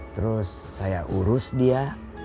terus saya urus dia